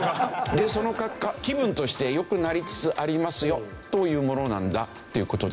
でその結果気分として良くなりつつありますよというものなんだという事ですね。